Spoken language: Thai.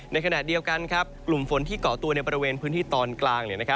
ในขณะเดียวกันกลุ่มฝนที่เกาะตัวในบริเวณพื้นที่ตอนกลาง